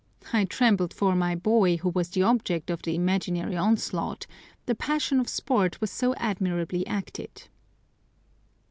I trembled for my boy, who was the object of the imaginary onslaught, the passion of sport was so admirably acted.